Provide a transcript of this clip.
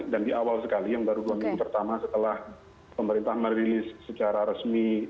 dan di awal sekali yang baru dua minggu pertama setelah pemerintah merilis secara resmi